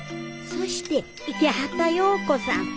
そして池端容子さん。